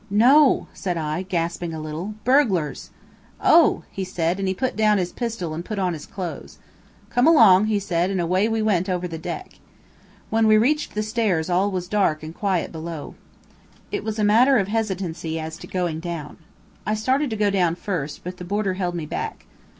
"No," said I, gasping a little. "Burglars." "Oh!" he said, and he put down his pistol and put on his clothes. "Come along," he said, and away we went over the deck. When we reached the stairs all was dark and quiet below. It was a matter of hesitancy as to going down. I started to go down first, but the boarder held me back.